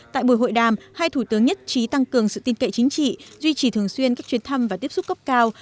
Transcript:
tại buổi hội đàm hai thủ tướng nhất trí tăng cường sự tin cậy chính trị duy trì thường xuyên các chuyến thăm và tiếp xúc cấp cao